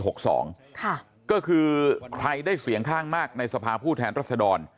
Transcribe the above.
ก็คือใครได้เสียงข้างมากในสภาผู้แทนรัศดร